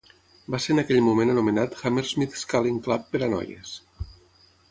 Va ser en aquell moment anomenat Hammersmith Sculling Club per a noies.